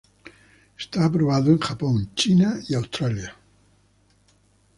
Está aprobado en Japón, China y Australia.